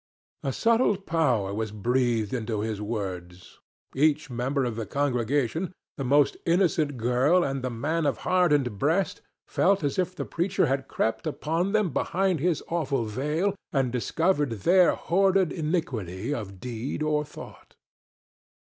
A subtle power was breathed into his words. Each member of the congregation, the most innocent girl and the man of hardened breast, felt as if the preacher had crept upon them behind his awful veil and discovered their hoarded iniquity of deed or thought.